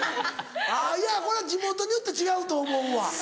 いやこれは地元によって違うと思うわ。